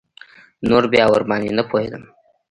نور بيا ورباندې نه پوهېدم.